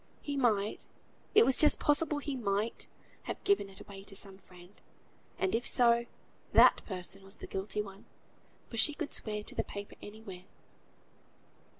He might, it was just possible he might, have given it away to some friend; and if so, that person was the guilty one, for she could swear to the paper anywhere.